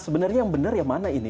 sebenarnya yang benar yang mana ini